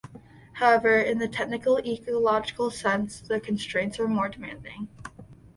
However, in the technical, ecological sense, the constraints are more demanding.